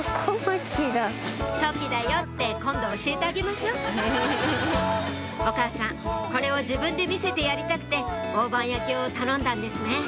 「とき」だよって今度教えてあげましょうお母さんこれを自分で見せてやりたくて大判焼きを頼んだんですね